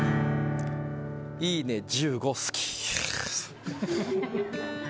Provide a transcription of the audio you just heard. いいね